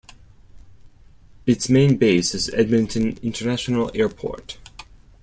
Its main base is Edmonton International Airport.